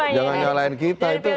jangan nyalahin kita